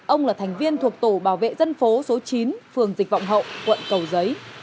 ông là thành viên thuộc tổ bảo vệ dân phố số chín phường dịch vọng hậu quận cầu giấy